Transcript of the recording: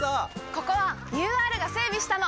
ここはＵＲが整備したの！